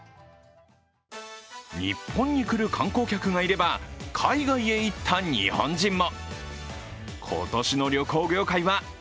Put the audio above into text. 日本に来る観光客がいれば海外へ行った日本人も。